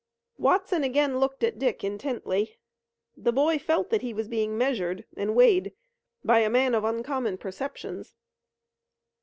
Watson again looked at Dick intently. The boy felt that he was being measured and weighed by a man of uncommon perceptions.